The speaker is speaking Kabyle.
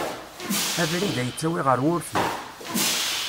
Abrid-a yettawi ɣer wurti.